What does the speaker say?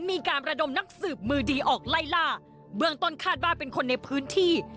มีการระดมนักสืบมือดีออกไล่ล่าเบื้องต้นคาดว่าเป็นคนในพื้นที่